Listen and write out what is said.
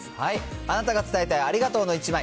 あなたが伝えたいありがとうの１枚。